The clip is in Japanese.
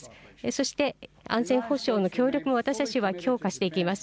そして、安全保障の協力も私たちは強化していきます。